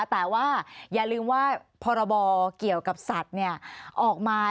แต่ว่าอย่าลืมว่าพรบเกี่ยวกับสัตว์ออกมา